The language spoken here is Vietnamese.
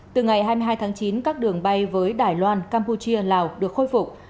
từ ngày hai mươi hai tháng chín các đường bay với đài loan campuchia lào được khôi phục